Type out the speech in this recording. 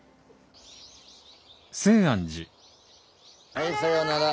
はいさよなら。